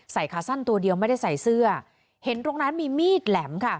ขาสั้นตัวเดียวไม่ได้ใส่เสื้อเห็นตรงนั้นมีมีดแหลมค่ะ